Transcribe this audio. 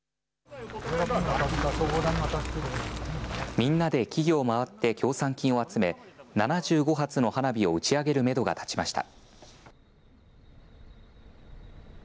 みんなで企業を回って協賛金を集め、７５発の花火を打ち上げるメドが立ちました。